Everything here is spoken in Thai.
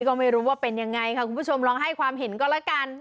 ก็ไม่รู้ว่าเป็นยังไงค่ะคุณผู้ชมลองให้ความเห็นก็แล้วกัน